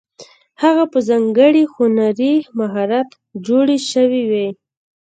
هغه په ځانګړي هنري مهارت جوړې شوې وې.